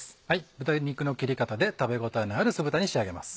豚肉の切り方で食べ応えのある酢豚に仕上げます。